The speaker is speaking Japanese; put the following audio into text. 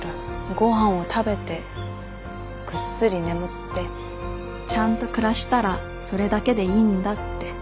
ごはんを食べてぐっすり眠ってちゃんと暮らしたらそれだけでいいんだって。